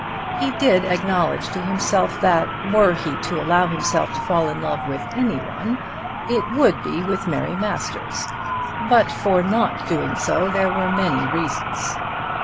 He did acknowledge to himself that were he to allow himself to fall in love with any one it would be with Mary Masters, but for not doing so there were many reasons.